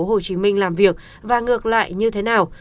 hồ chí minh làm việc và ngược lại như thế nào